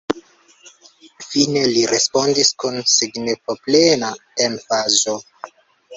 Fine li respondis kun signifoplena emfazo: